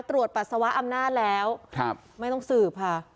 ปัสสาวะอำนาจแล้วไม่ต้องสืบค่ะ